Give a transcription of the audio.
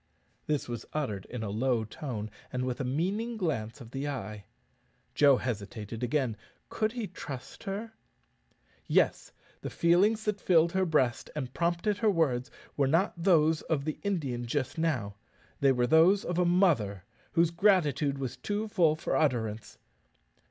This was uttered in a low tone, and with a meaning glance of the eye. Joe hesitated again could he trust her? Yes; the feelings that filled her breast and prompted her words were not those of the Indian just now they were those of a mother, whose gratitude was too full for utterance.